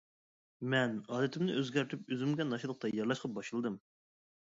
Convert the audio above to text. مەن ئادىتىمنى ئۆزگەرتىپ ئۆزۈمگە ناشتىلىق تەييارلاشقا باشلىدىم.